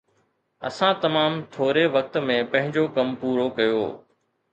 اسان تمام ٿوري وقت ۾ پنهنجو ڪم پورو ڪيو